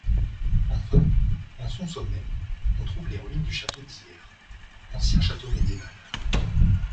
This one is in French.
Enfin, en son sommet, on trouve les ruines du château d'Hyères, ancien château médiéval.